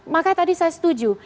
maka tadi saya setuju